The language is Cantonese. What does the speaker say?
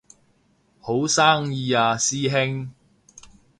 好生意啊師兄